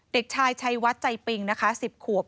เด็กชายชัยวัดใจปิงนะคะ๑๐ขวบ